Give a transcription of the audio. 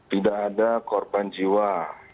tidak ada korban jiwa